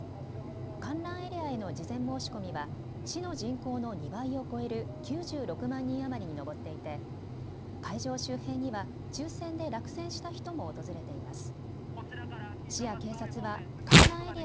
観覧エリアへの事前申し込みは市の人口の２倍を超える９６万人余りに上っていて会場周辺には抽せんで落選した人も訪れています。